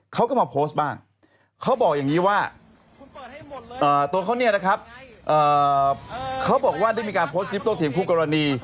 เขาก็มาโพสต์บ้างเขาบอกอย่างนี้ว่าตัวเขาเนี่ยนะครับเขาบอกว่าได้มีการโพสต์คลิปโตเถียงคู่กรณี